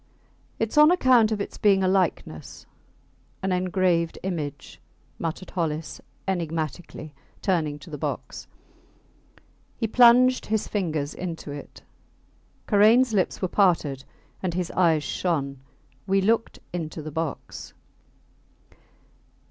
Its on account of its being a likeness an engraved image, muttered Hollis, enigmatically, turning to the box. He plunged his fingers into it. Karains lips were parted and his eyes shone. We looked into the box.